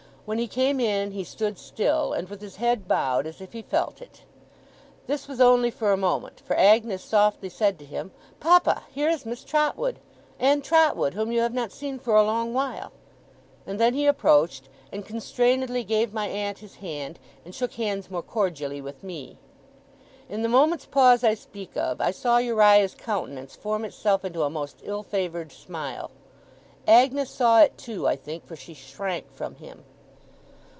When he came in, he stood still; and with his head bowed, as if he felt it. This was only for a moment; for Agnes softly said to him, 'Papa! Here is Miss Trotwood and Trotwood, whom you have not seen for a long while!' and then he approached, and constrainedly gave my aunt his hand, and shook hands more cordially with me. In the moment's pause I speak of, I saw Uriah's countenance form itself into a most ill favoured smile. Agnes saw it too, I think, for she shrank from him.